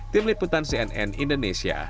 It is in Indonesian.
tim liputan cnn indonesia